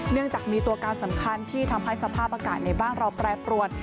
เนื่องจากมีตัวการสำคัญที่ทำให้สภาพอากาศในบ้านเราแปรปรวน